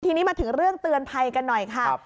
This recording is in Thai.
ทีนี้มาถึงเรื่องเตือนภัยกันหน่อยค่ะ